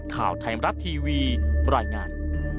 ข่าวไทยมรัฐทีวีบรรยายงาน